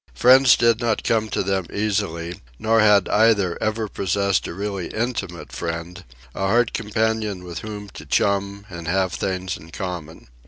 Friends did not come to them easily; nor had either ever possessed a really intimate friend, a heart companion with whom to chum and have things in common.